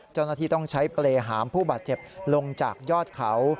เจ้าหน้าที่ต้องใช้เปรย์หามผู้บาดเจ็บลงจากยอดเขา